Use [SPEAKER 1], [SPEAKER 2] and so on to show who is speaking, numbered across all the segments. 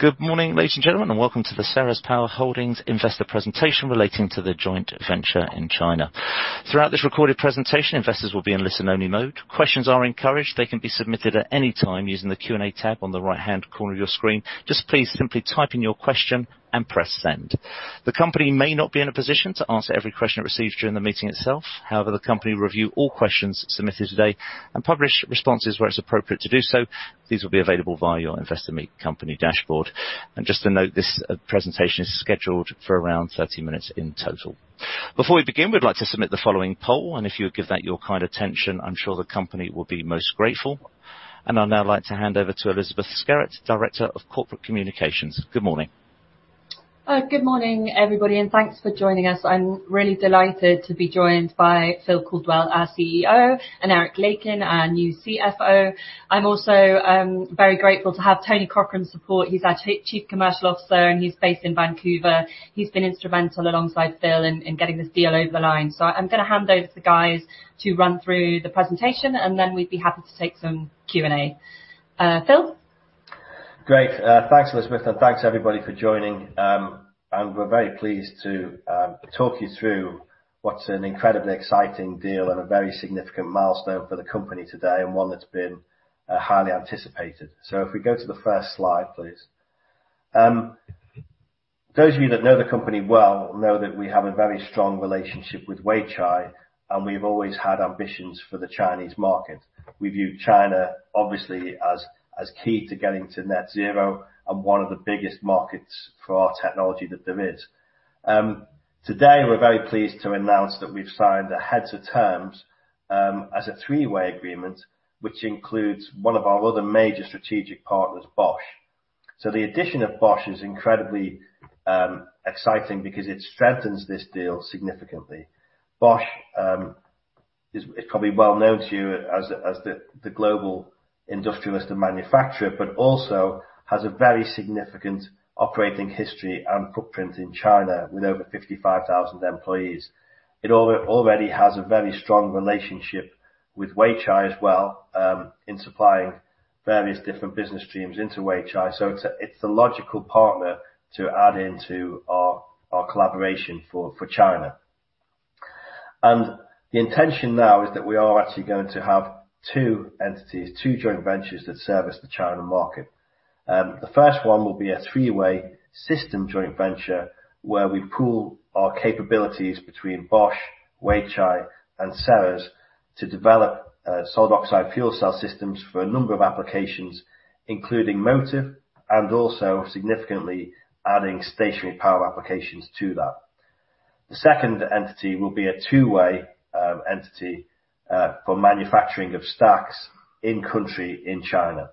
[SPEAKER 1] Good morning, ladies and gentlemen, and welcome to the Ceres Power Holdings investor presentation relating to the joint venture in China. Throughout this recorded presentation, investors will be in listen-only mode. Questions are encouraged. They can be submitted at any time using the Q&A tab on the right-hand corner of your screen. Just please simply type in your question and press send. The company may not be in a position to answer every question it receives during the meeting itself. However, the company will review all questions submitted today and publish responses where it's appropriate to do so. These will be available via your Investor Meet Company dashboard. Just to note, this presentation is scheduled for around 30 minutes in total. Before we begin, we'd like to submit the following poll, and if you would give that your kind attention, I'm sure the company will be most grateful. I'd now like to hand over to Elizabeth Skerritt, Director of Corporate Communications. Good morning.
[SPEAKER 2] Good morning, everybody, and thanks for joining us. I'm really delighted to be joined by Phil Caldwell, our CEO, and Eric Lakin, our new CFO. I'm also very grateful to have Tony Cochrane's support. He's our Chief Commercial Officer, and he's based in Vancouver. He's been instrumental alongside Phil in getting this deal over the line. I'm gonna hand over to the guys to run through the presentation, and then we'd be happy to take some Q&A. Phil?
[SPEAKER 3] Great. Thanks, Elizabeth, and thanks, everybody, for joining. We're very pleased to talk you through what's an incredibly exciting deal and a very significant milestone for the company today and one that's been highly anticipated. If we go to the first slide, please. Those of you that know the company well know that we have a very strong relationship with Weichai, and we've always had ambitions for the Chinese market. We view China, obviously, as key to getting to net zero and one of the biggest markets for our technology that there is. Today we're very pleased to announce that we've signed a heads of terms as a three-way agreement, which includes one of our other major strategic partners, Bosch. The addition of Bosch is incredibly exciting because it strengthens this deal significantly. Bosch is probably well known to you as the global industrialist and manufacturer, but also has a very significant operating history and footprint in China with over 55,000 employees. It already has a very strong relationship with Weichai as well, in supplying various different business streams into Weichai, so it's a logical partner to add into our collaboration for China. The intention now is that we are actually going to have two joint ventures that service the China market. The first one will be a three-way system joint venture where we pool our capabilities between Bosch, Weichai and Ceres to develop solid oxide fuel cell systems for a number of applications, including motive and also significantly adding stationary power applications to that. The second entity will be a two-way entity for manufacturing of stacks in country in China.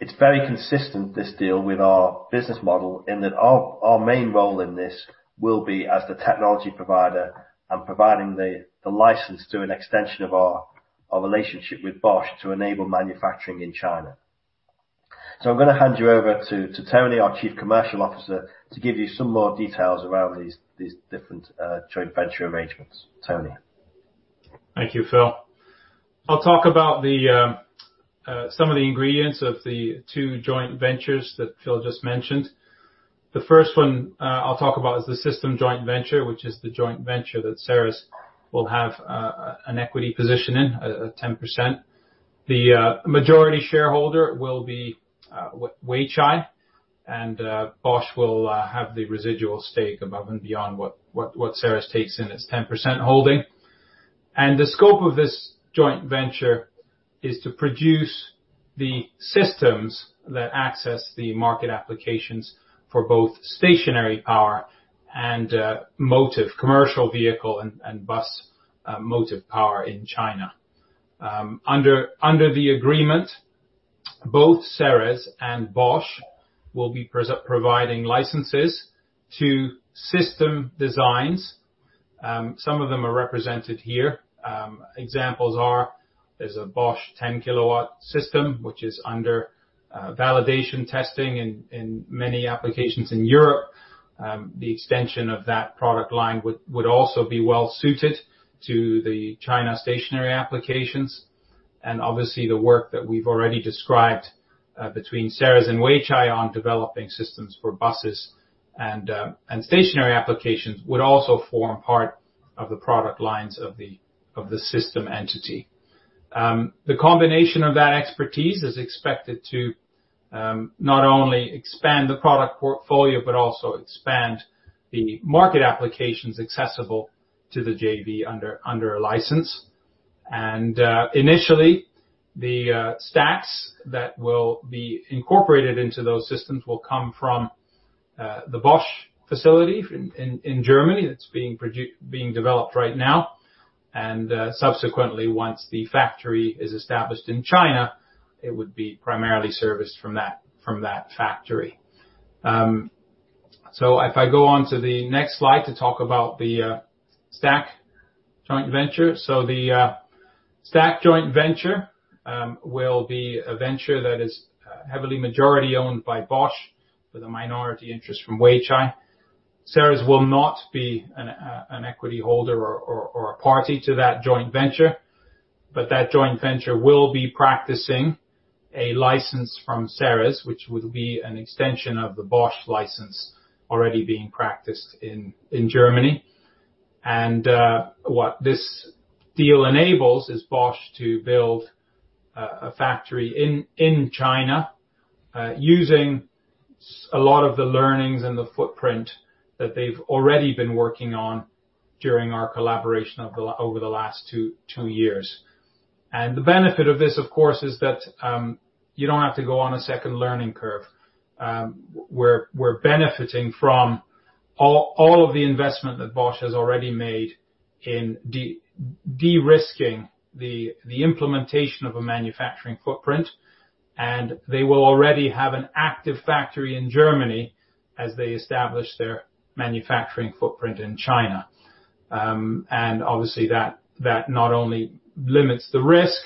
[SPEAKER 3] It's very consistent, this deal, with our business model in that our main role in this will be as the technology provider and providing the license to an extension of our relationship with Bosch to enable manufacturing in China. I'm gonna hand you over to Tony, our Chief Commercial Officer, to give you some more details around these different joint venture arrangements. Tony.
[SPEAKER 4] Thank you, Phil. I'll talk about some of the ingredients of the two joint ventures that Phil just mentioned. The first one I'll talk about is the system joint venture, which is the joint venture that Ceres will have an equity position in, 10%. The majority shareholder will be Weichai, and Bosch will have the residual stake above and beyond what Ceres takes in its 10% holding. The scope of this joint venture is to produce the systems that access the market applications for both stationary power and motive, commercial vehicle and bus, motive power in China. Under the agreement, both Ceres and Bosch will be providing licenses to system designs. Some of them are represented here. Examples are, there's a Bosch 10 kW system, which is under validation testing in many applications in Europe. The extension of that product line would also be well suited to the China stationary applications. Obviously, the work that we've already described between Ceres and Weichai on developing systems for buses and stationary applications would also form part of the product lines of the system entity. The combination of that expertise is expected to not only expand the product portfolio, but also expand the market applications accessible to the JV under a license. Initially, the stacks that will be incorporated into those systems will come from the Bosch facility in Germany that's being developed right now. Subsequently, once the factory is established in China, it would be primarily serviced from that factory. If I go on to the next slide to talk about the stack joint venture. The stack joint venture will be a venture that is heavily majority owned by Bosch with a minority interest from Weichai. Ceres will not be an equity holder or a party to that joint venture, but that joint venture will be practicing a license from Ceres, which would be an extension of the Bosch license already being practiced in Germany. What this deal enables is Bosch to build a factory in China using a lot of the learnings and the footprint that they've already been working on during our collaboration over the last two years. The benefit of this, of course, is that you don't have to go on a second learning curve. We're benefiting from all of the investment that Bosch has already made in de-risking the implementation of a manufacturing footprint, and they will already have an active factory in Germany as they establish their manufacturing footprint in China. Obviously that not only limits the risk,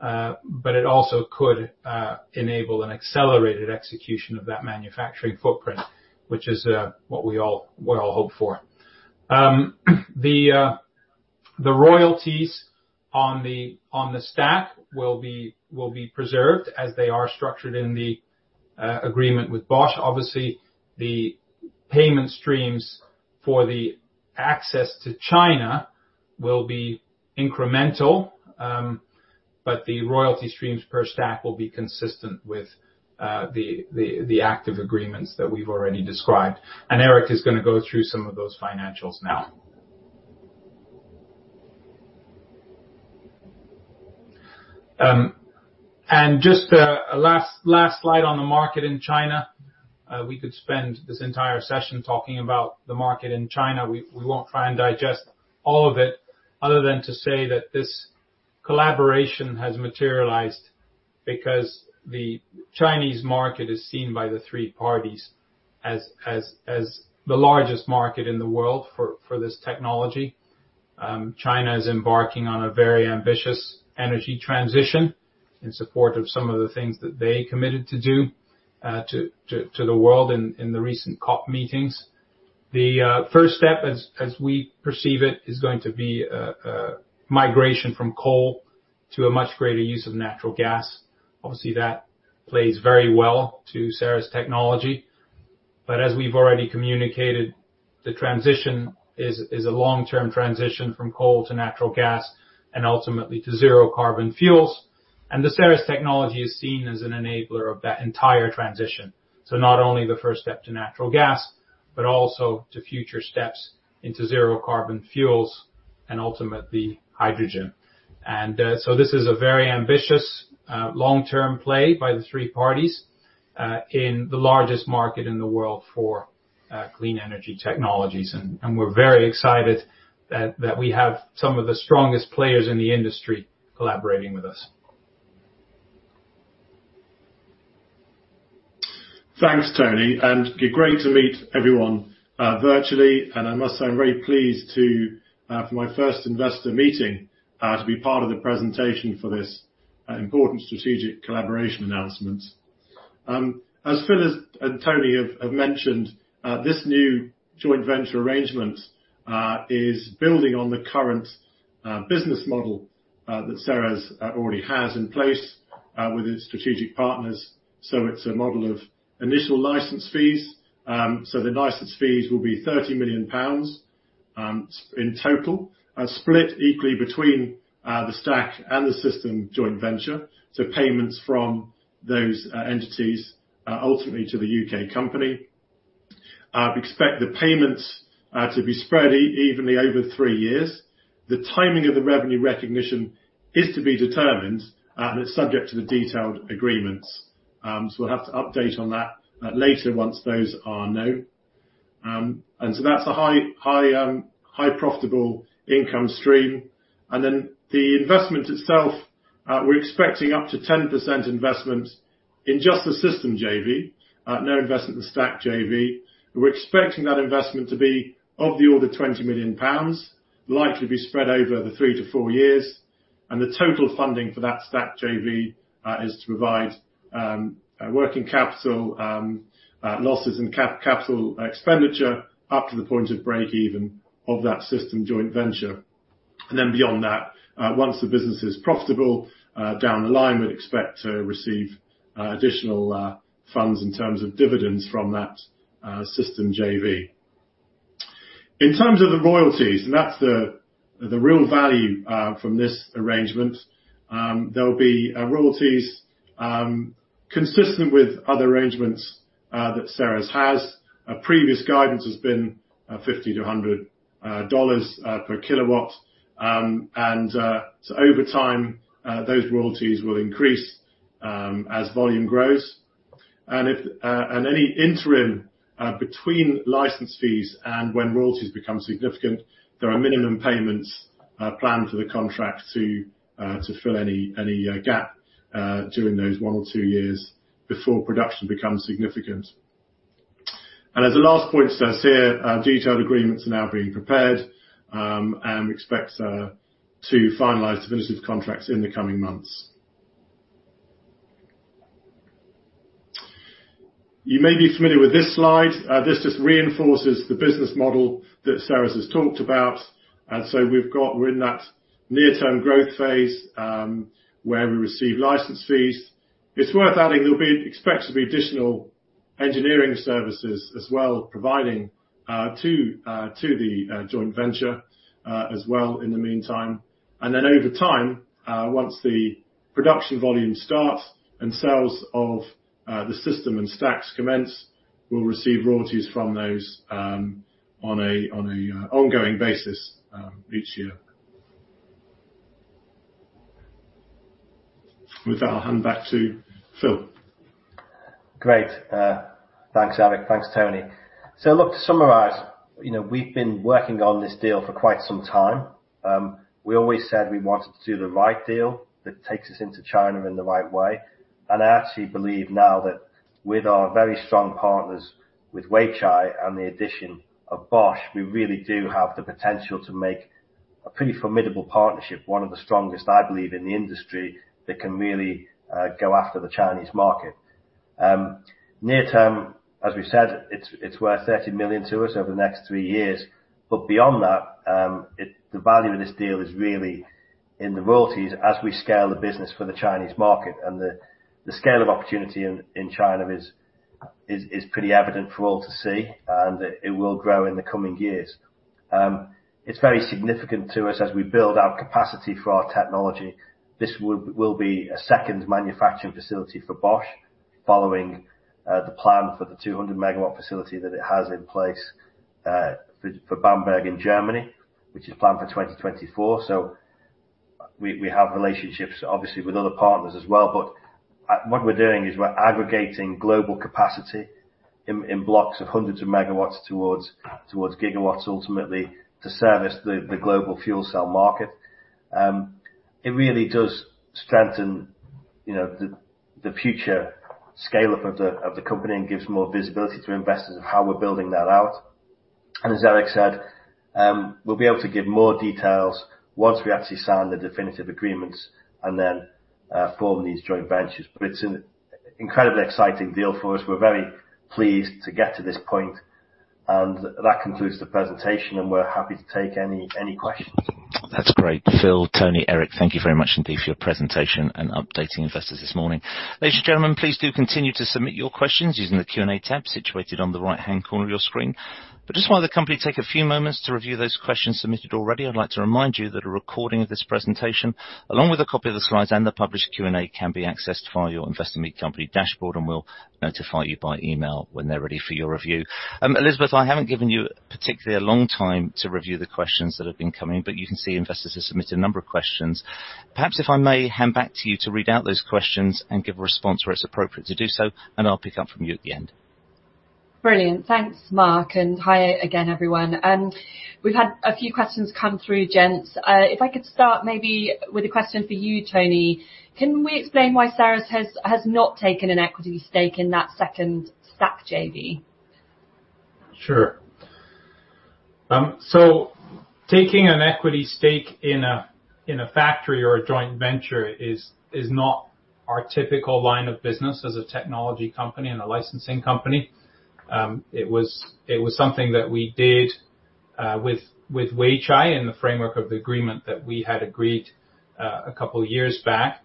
[SPEAKER 4] but it also could enable an accelerated execution of that manufacturing footprint, which is what we all hope for. The royalties on the stack will be preserved as they are structured in the agreement with Bosch. Obviously, the payment streams for the access to China will be incremental, but the royalty streams per stack will be consistent with the active agreements that we've already described. Eric is gonna go through some of those financials now. Just a last slide on the market in China. We could spend this entire session talking about the market in China. We won't try and digest all of it other than to say that this collaboration has materialized because the Chinese market is seen by the three parties as the largest market in the world for this technology. China is embarking on a very ambitious energy transition in support of some of the things that they committed to do, to the world in the recent COP meetings. The first step as we perceive it is going to be a migration from coal to a much greater use of natural gas. Obviously, that plays very well to Ceres technology. As we've already communicated, the transition is a long-term transition from coal to natural gas and ultimately to zero carbon fuels. The Ceres technology is seen as an enabler of that entire transition. Not only the first step to natural gas, but also to future steps into zero carbon fuels and ultimately hydrogen. This is a very ambitious long-term play by the three parties in the largest market in the world for clean energy technologies. We're very excited that we have some of the strongest players in the industry collaborating with us.
[SPEAKER 5] Thanks, Tony, and great to meet everyone, virtually. I must say I'm very pleased to, for my first investor meeting, to be part of the presentation for this, important strategic collaboration announcement. As Phil and Tony have mentioned, this new joint venture arrangement is building on the current business model that Ceres already has in place with its strategic partners. It's a model of initial license fees. The license fees will be 30 million pounds in total, split equally between the stack and the system joint venture, payments from those entities ultimately to the UK company. We expect the payments to be spread evenly over 3 years. The timing of the revenue recognition is to be determined, and it's subject to the detailed agreements. We'll have to update on that later once those are known. That's a high profitable income stream. The investment itself, we're expecting up to 10% investment in just the system JV, no investment in stack JV. We're expecting that investment to be of the order of 20 million pounds, likely to be spread over the 3-4 years. The total funding for that stack JV is to provide working capital, losses and capital expenditure up to the point of break even of that system joint venture. Beyond that, once the business is profitable down the line, we'd expect to receive additional funds in terms of dividends from that system JV. In terms of the royalties, and that's the real value from this arrangement, there will be royalties consistent with other arrangements that Ceres has. Our previous guidance has been $50-$100 per kilowatt. Over time, those royalties will increase as volume grows. In any interim between license fees and when royalties become significant, there are minimum payments planned for the contract to fill any gap during those one or two years before production becomes significant. As a last point, as I say, detailed agreements are now being prepared, and we expect to finalize definitive contracts in the coming months. You may be familiar with this slide. This just reinforces the business model that Ceres has talked about. We're in that near-term growth phase, where we receive license fees. It's worth adding there'll be additional engineering services as well, providing to the joint venture as well in the meantime. Over time, once the production volume starts and sales of the system and stacks commence, we'll receive royalties from those on an ongoing basis each year. With that, I'll hand back to Phil.
[SPEAKER 3] Great. Thanks, Eric. Thanks, Tony. Look, to summarize, you know, we've been working on this deal for quite some time. We always said we wanted to do the right deal that takes us into China in the right way, and I actually believe now that with our very strong partners, with Weichai and the addition of Bosch, we really do have the potential to make a pretty formidable partnership, one of the strongest, I believe, in the industry, that can really go after the Chinese market. Near term, as we've said, it's worth 30 million to us over the next 3 years. Beyond that, the value of this deal is really in the royalties as we scale the business for the Chinese market. The scale of opportunity in China is pretty evident for all to see, and it will grow in the coming years. It's very significant to us as we build our capacity for our technology. This will be a second manufacturing facility for Bosch, following the plan for the 200-MW facility that it has in place, for Bamberg in Germany, which is planned for 2024. We have relationships, obviously with other partners as well. What we're doing is we're aggregating global capacity in blocks of hundreds of MW towards GW ultimately to service the global fuel cell market. It really does strengthen, you know, the future scale-up of the company and gives more visibility to investors of how we're building that out. As Eric said, we'll be able to give more details once we actually sign the definitive agreements and then form these joint ventures. It's an incredibly exciting deal for us. We're very pleased to get to this point. That concludes the presentation, and we're happy to take any questions.
[SPEAKER 1] That's great. Phil, Tony, Eric, thank you very much indeed for your presentation and updating investors this morning. Ladies and gentlemen, please do continue to submit your questions using the Q&A tab situated on the right-hand corner of your screen. Just while the company take a few moments to review those questions submitted already, I'd like to remind you that a recording of this presentation, along with a copy of the slides and the published Q&A, can be accessed via your Investor Meet Company dashboard, and we'll notify you by email when they're ready for your review. Elizabeth, I haven't given you particularly a long time to review the questions that have been coming, but you can see investors have submitted a number of questions. Perhaps, if I may, hand back to you to read out those questions and give a response where it's appropriate to do so, and I'll pick up from you at the end.
[SPEAKER 2] Brilliant. Thanks, Mark, and hi again, everyone. We've had a few questions come through, gents. If I could start maybe with a question for you, Tony. Can we explain why Ceres has not taken an equity stake in that second stack JV?
[SPEAKER 4] Sure. Taking an equity stake in a factory or a joint venture is not our typical line of business as a technology company and a licensing company. It was something that we did with Weichai in the framework of the agreement that we had agreed a couple years back.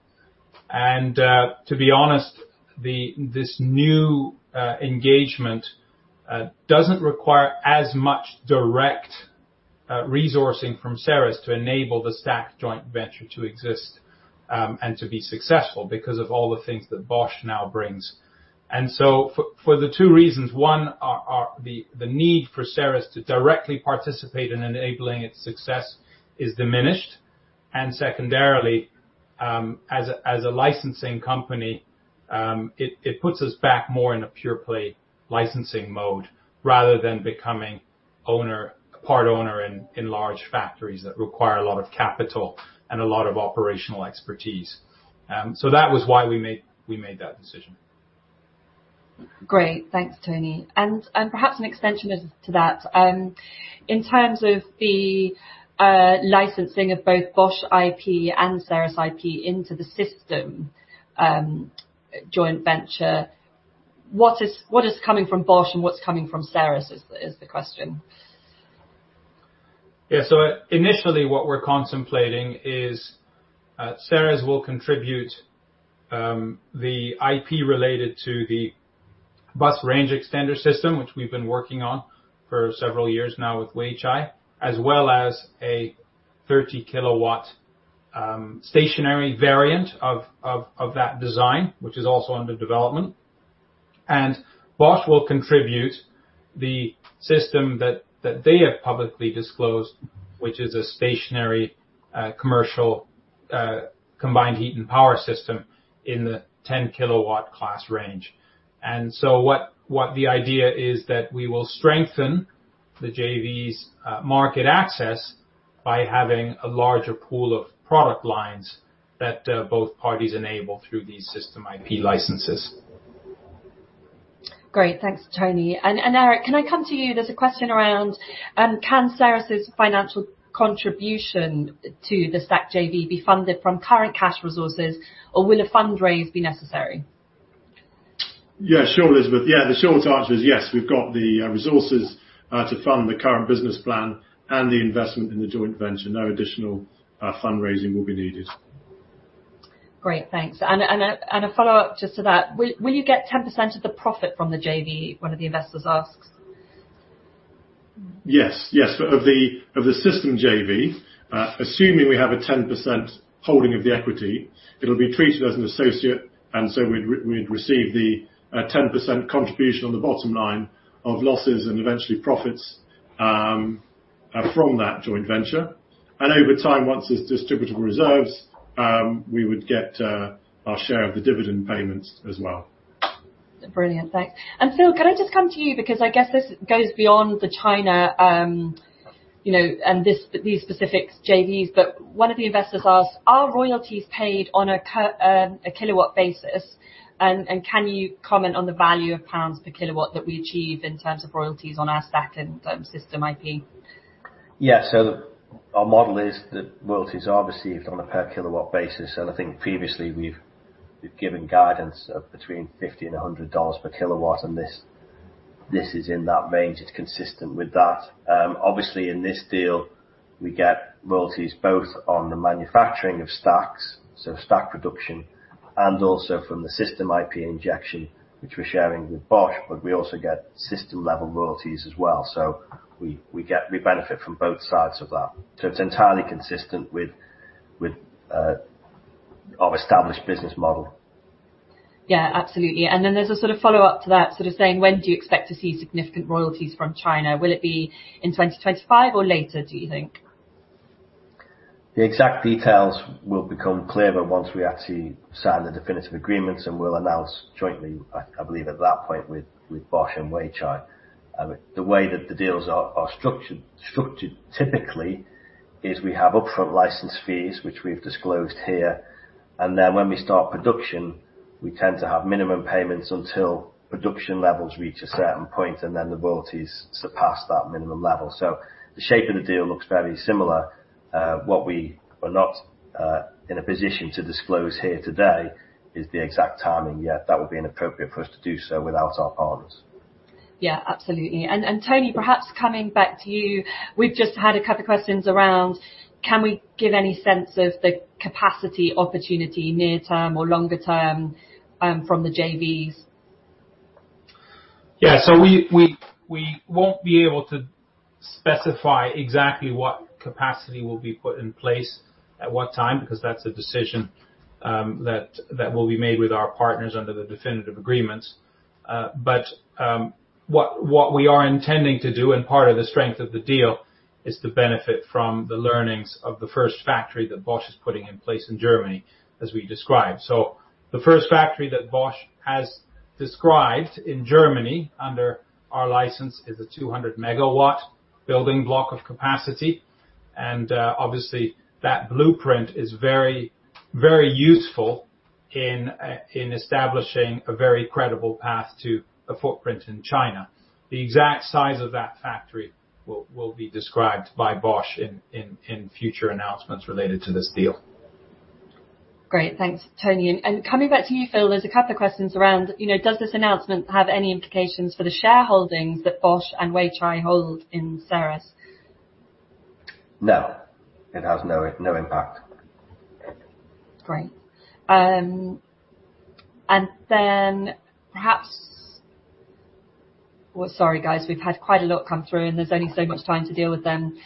[SPEAKER 4] To be honest, this new engagement doesn't require as much direct resourcing from Ceres to enable the stack joint venture to exist and to be successful because of all the things that Bosch now brings. For the two reasons, one, the need for Ceres to directly participate in enabling its success is diminished. Secondarily, as a licensing company, it puts us back more in a pure play licensing mode rather than becoming a part owner in large factories that require a lot of capital and a lot of operational expertise. That was why we made that decision.
[SPEAKER 2] Great. Thanks, Tony. Perhaps an extension is to that. In terms of the licensing of both Bosch IP and Ceres IP into the system joint venture, what is coming from Bosch and what's coming from Ceres is the question.
[SPEAKER 4] Yeah. Initially, what we're contemplating is, Ceres will contribute the IP related to the bus range extender system, which we've been working on for several years now with Weichai, as well as a 30 kilowatt stationary variant of that design, which is also under development. Bosch will contribute the system that they have publicly disclosed, which is a stationary commercial combined heat and power system in the 10 kilowatt class range. What the idea is that we will strengthen the JV's market access by having a larger pool of product lines that both parties enable through these system IP licenses.
[SPEAKER 2] Great. Thanks, Tony. Eric, can I come to you? There's a question around can Ceres's financial contribution to the stack JV be funded from current cash resources or will a fundraise be necessary?
[SPEAKER 5] Yeah, sure, Elizabeth. Yeah, the short answer is yes. We've got the resources to fund the current business plan and the investment in the joint venture. No additional fundraising will be needed.
[SPEAKER 2] Great. Thanks. A follow-up just to that, will you get 10% of the profit from the JV? One of the investors asks.
[SPEAKER 5] Yes. Of the system JV, assuming we have a 10% holding of the equity, it'll be treated as an associate, and so we'd receive the 10% contribution on the bottom line of losses and eventually profits from that joint venture. Over time, once it's distributable reserves, we would get our share of the dividend payments as well.
[SPEAKER 2] Brilliant. Thanks. Phil, can I just come to you because I guess this goes beyond the China, you know, and this, these specific JVs, but one of the investors asked, are royalties paid on a per kilowatt basis? And can you comment on the value of pounds per kilowatt that we achieve in terms of royalties on our stack and system IP?
[SPEAKER 3] Yeah. Our model is that royalties are received on a per kilowatt basis, and I think previously we've given guidance of between $50 and $100 per kilowatt, and this is in that range. It's consistent with that. Obviously in this deal, we get royalties both on the manufacturing of stacks, so stack production, and also from the system IP injection, which we're sharing with Bosch, but we also get system-level royalties as well. We benefit from both sides of that. It's entirely consistent with our established business model.
[SPEAKER 2] Yeah, absolutely. There's a sort of follow-up to that sort of saying, when do you expect to see significant royalties from China? Will it be in 2025 or later, do you think?
[SPEAKER 3] The exact details will become clearer once we actually sign the definitive agreements, and we'll announce jointly, I believe, at that point with Bosch and Weichai. The way that the deals are structured typically is we have upfront license fees, which we've disclosed here, and then when we start production, we tend to have minimum payments until production levels reach a certain point, and then the royalties surpass that minimum level. The shape of the deal looks very similar. What we are not in a position to disclose here today is the exact timing yet. That would be inappropriate for us to do so without our partners.
[SPEAKER 2] Yeah, absolutely. Tony, perhaps coming back to you, we've just had a couple of questions around can we give any sense of the capacity opportunity near term or longer term, from the JVs?
[SPEAKER 4] Yeah. We won't be able to specify exactly what capacity will be put in place at what time, because that's a decision that will be made with our partners under the definitive agreements. What we are intending to do, and part of the strength of the deal is to benefit from the learnings of the first factory that Bosch is putting in place in Germany, as we described. The first factory that Bosch has described in Germany under our license is a 200 MW building block of capacity. Obviously, that blueprint is very, very useful in establishing a very credible path to a footprint in China. The exact size of that factory will be described by Bosch in future announcements related to this deal.
[SPEAKER 2] Great. Thanks, Tony. Coming back to you, Phil, there's a couple of questions around, you know, does this announcement have any implications for the shareholdings that Bosch and Weichai hold in Ceres?
[SPEAKER 3] No. It has no impact.
[SPEAKER 2] Great. Sorry, guys, we've had quite a lot come through, and there's only so much time to deal with them.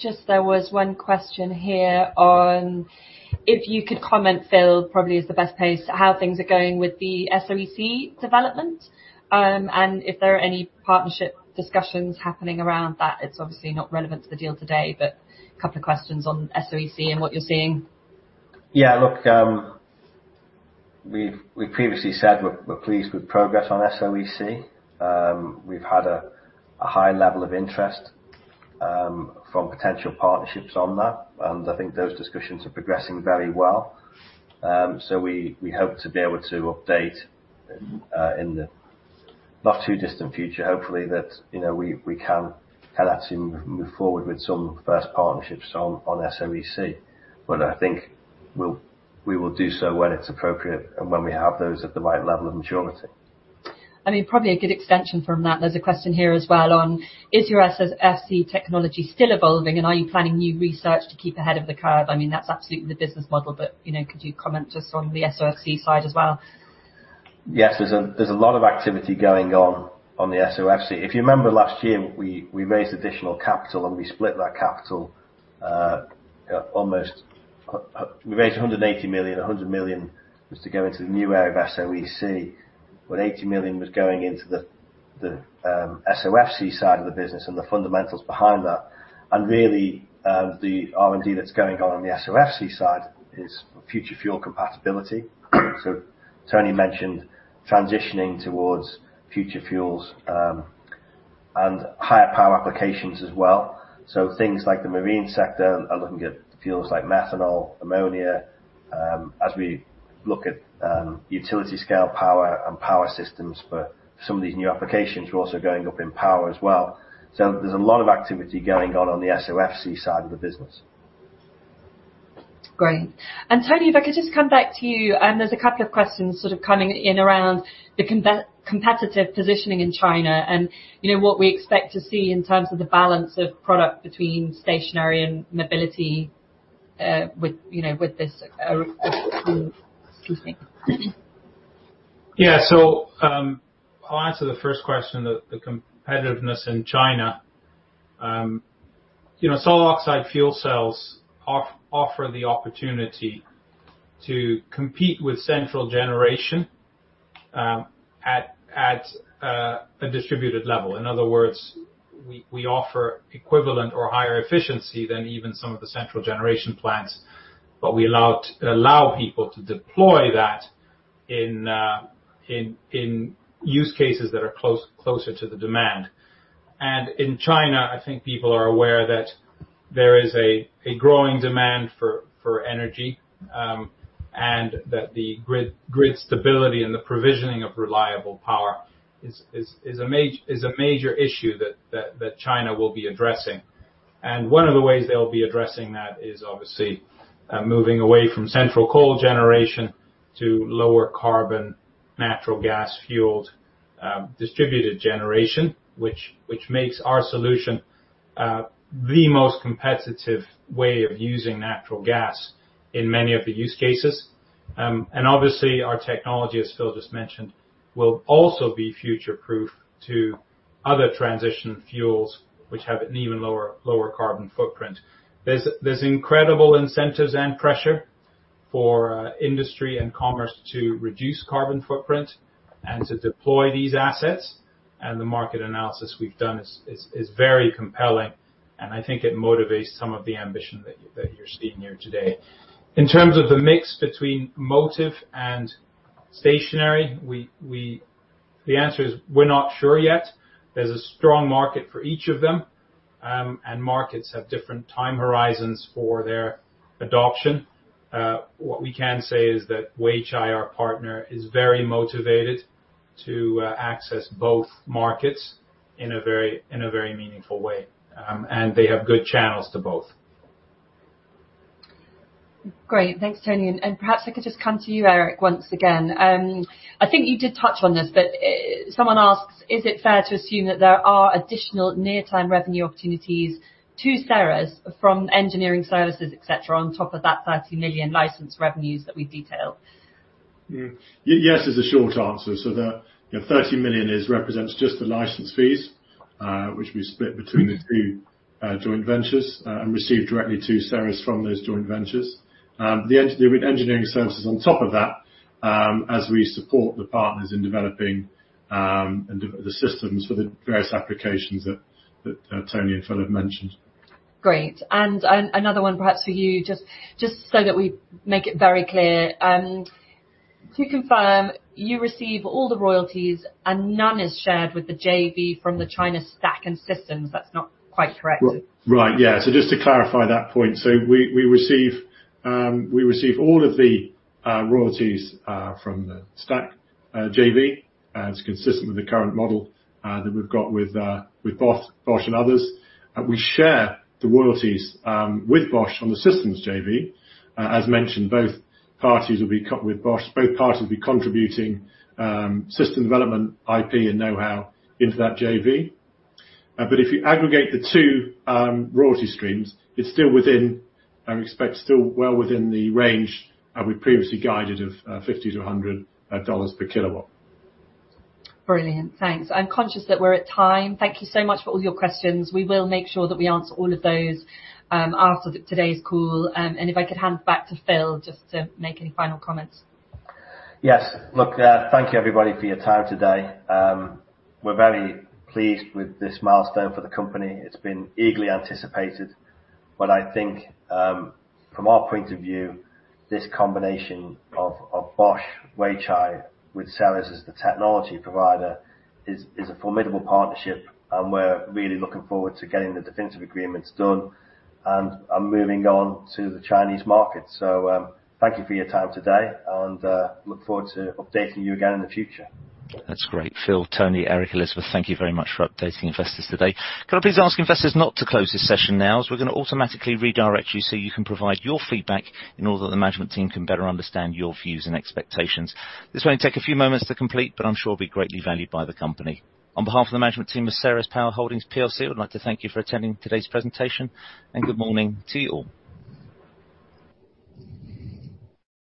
[SPEAKER 2] Just there was one question here on if you could comment, Phil, probably is the best place, how things are going with the SOEC development, and if there are any partnership discussions happening around that. It's obviously not relevant to the deal today, but a couple of questions on SOEC and what you're seeing.
[SPEAKER 3] Yeah. Look, we previously said we're pleased with progress on SOEC. We've had a high level of interest from potential partnerships on that, and I think those discussions are progressing very well. We hope to be able to update in the not too distant future, hopefully, that you know we can actually move forward with some first partnerships on SOEC. I think we will do so when it's appropriate and when we have those at the right level of maturity.
[SPEAKER 2] I mean, probably a good extension from that. There's a question here as well on, is your SOFC technology still evolving, and are you planning new research to keep ahead of the curve? I mean, that's absolutely the business model, but, you know, could you comment just on the SOFC side as well?
[SPEAKER 3] Yes. There's a lot of activity going on on the SOFC. If you remember last year, we raised additional capital, and we split that capital. We raised 180 million. 100 million was to go into the new area of SOEC, but 80 million was going into the SOFC side of the business and the fundamentals behind that. Really, the R&D that's going on the SOFC side is future fuel compatibility. Tony mentioned transitioning towards future fuels and higher power applications as well. Things like the marine sector are looking at fuels like methanol, ammonia. As we look at utility scale power and power systems for some of these new applications, we're also going up in power as well. There's a lot of activity going on the SOFC side of the business.
[SPEAKER 2] Great. Tony, if I could just come back to you. There's a couple of questions sort of coming in around the competitive positioning in China, and you know, what we expect to see in terms of the balance of product between stationary and mobility.
[SPEAKER 4] Yeah. I'll answer the first question, the competitiveness in China. You know, solid oxide fuel cells offer the opportunity to compete with central generation at a distributed level. In other words, we offer equivalent or higher efficiency than even some of the central generation plants, but we allow people to deploy that in use cases that are closer to the demand. In China, I think people are aware that there is a growing demand for energy, and that the grid stability and the provisioning of reliable power is a major issue that China will be addressing. One of the ways they'll be addressing that is obviously moving away from central coal generation to lower carbon natural gas fueled distributed generation, which makes our solution the most competitive way of using natural gas in many of the use cases. Obviously our technology, as Phil just mentioned, will also be future-proof to other transition fuels which have an even lower carbon footprint. There's incredible incentives and pressure for industry and commerce to reduce carbon footprint and to deploy these assets, and the market analysis we've done is very compelling, and I think it motivates some of the ambition that you're seeing here today. In terms of the mix between motive and stationary, the answer is we're not sure yet. There's a strong market for each of them, and markets have different time horizons for their adoption. What we can say is that Weichai, our partner, is very motivated to access both markets in a very meaningful way, and they have good channels to both.
[SPEAKER 2] Great. Thanks, Tony. Perhaps I could just come to you, Eric, once again. I think you did touch on this, but someone asks, is it fair to assume that there are additional near-term revenue opportunities to Ceres from engineering services, et cetera, on top of that 30 million license revenues that we've detailed?
[SPEAKER 5] Yes is the short answer. The, you know, 30 million represents just the license fees, which we split between the two joint ventures and receive directly to Ceres from those joint ventures. The engineering services on top of that as we support the partners in developing the systems for the various applications that Tony and Phil have mentioned.
[SPEAKER 2] Great. Another one perhaps for you, just so that we make it very clear. To confirm, you receive all the royalties and none is shared with the JV from the China stack and systems. That's not quite correct.
[SPEAKER 5] Right. Yeah. Just to clarify that point. We receive all of the royalties from the stack JV. It's consistent with the current model that we've got with Bosch and others. We share the royalties with Bosch on the systems JV. As mentioned, both parties will be contributing system development, IP, and know-how into that JV. But if you aggregate the two royalty streams, it's still within. I would expect still well within the range we previously guided of $50-$100 per kilowatt.
[SPEAKER 2] Brilliant. Thanks. I'm conscious that we're at time. Thank you so much for all your questions. We will make sure that we answer all of those, after today's call. If I could hand back to Phil just to make any final comments.
[SPEAKER 3] Yes. Look, thank you, everybody, for your time today. We're very pleased with this milestone for the company. It's been eagerly anticipated. I think, from our point of view, this combination of Bosch, Weichai with Ceres as the technology provider is a formidable partnership, and we're really looking forward to getting the definitive agreements done and moving on to the Chinese market. Thank you for your time today, and look forward to updating you again in the future.
[SPEAKER 1] That's great. Phil, Tony, Eric, Elizabeth, thank you very much for updating investors today. Can I please ask investors not to close this session now, as we're gonna automatically redirect you so you can provide your feedback in order that the management team can better understand your views and expectations. This may take a few moments to complete, but I'm sure it'll be greatly valued by the company. On behalf of the management team of Ceres Power Holdings plc, I would like to thank you for attending today's presentation, and good morning to you all.